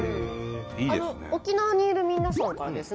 沖縄にいる皆さんからですね